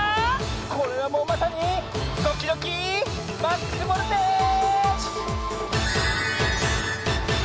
これはもうまさにドキドキマックスボルテージ！